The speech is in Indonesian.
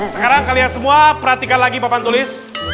sekarang kalian semua perhatikan lagi papan tulis